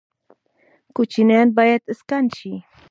کوچیان باید اسکان شي